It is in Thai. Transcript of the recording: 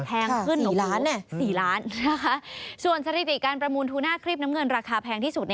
แพงขึ้น๑ล้าน๔ล้านนะคะส่วนสถิติการประมูลทูน่าครีบน้ำเงินราคาแพงที่สุด